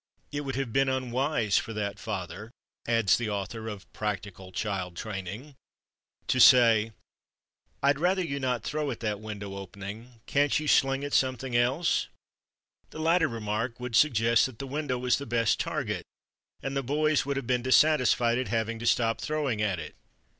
"It would have been unwise for that father (adds the author of "Practical Child Training") to say, 'I'd rather you'd not throw at that window opening—can't you sling at something else?' The latter remark would suggest that the window was the best target and the boys would have been dissatisfied at having to stop throwing at it."